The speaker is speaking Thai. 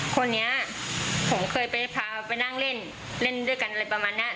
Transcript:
คนนี้ผมเคยไปพาไปนั่งเล่นเล่นด้วยกันอะไรประมาณนี้